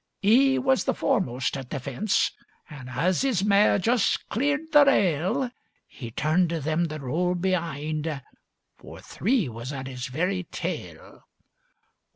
'E was the foremost at the fence, And as 'is mare just cleared the rail He turned to them that rode be'ind, For three was at 'is very tail.